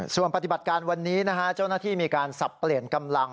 ส่วนปฏิบัติการวันนี้นะฮะเจ้าหน้าที่มีการสับเปลี่ยนกำลัง